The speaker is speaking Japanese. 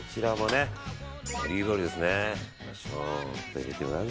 オリーブオイルですね。